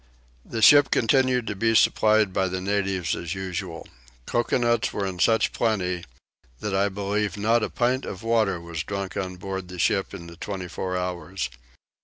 The ship continued to be supplied by the natives as usual. Coconuts were in such plenty that I believe not a pint of water was drunk on board the ship in the twenty four hours.